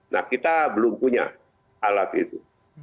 nah kita belum punya alat itu